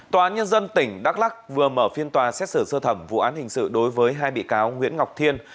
tòa án nhân dân tỉnh đắk lắc vừa mở phiên tòa xét xử sơ thẩm vụ án hình sự đối với hai bị cáo nguyễn ngọc thiên